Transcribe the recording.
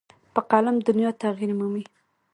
په قلم دنیا تغیر مومي.